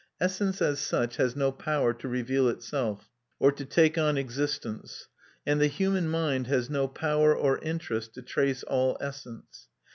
Essence as such has no power to reveal itself, or to take on existence; and the human mind has no power or interest to trace all essence.